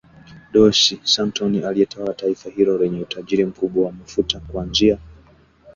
Dos Santos aliyetawala taifa hilo lenye utajiri mkubwa wa mafuta kuanzia